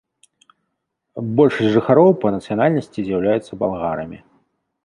Большасць жыхароў па нацыянальнасці з'яўляюцца балгарамі.